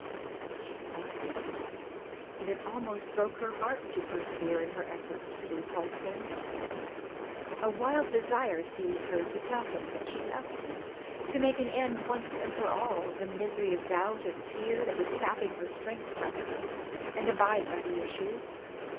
She longed to, and it almost broke her heart to persevere in her efforts to repulse him. A wild desire seized her to tell him that she loved him, to make an end once and for all of the misery of doubt and fear that was sapping her strength from her, and abide by the issue.